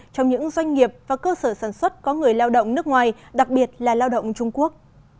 trong những doanh nghiệp và cơ sở sản xuất có người lao động nước ngoài đặc biệt là lao động trung quốc